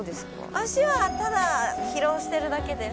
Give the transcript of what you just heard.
足はただ疲労してるだけです。